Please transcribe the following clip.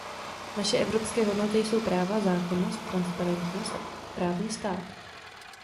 Naše evropské hodnoty jsou práva, zákonnost, transparentnost a právní stát.